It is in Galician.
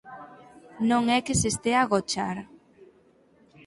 Non é que se estea a agochar.